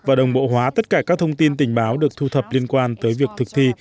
và đồng bộ hóa tất cả các thông tin tình báo được thu thập liên quan tới việc thực thi